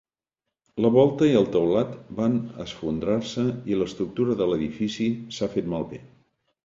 La volta i el teulat van esfondrar-se i l'estructura de l'edifici s'ha fet malbé.